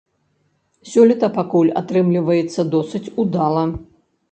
Сёлета пакуль атрымліваецца досыць удала.